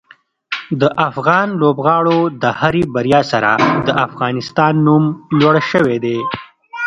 د افغان لوبغاړو د هرې بریا سره د افغانستان نوم لوړ شوی دی.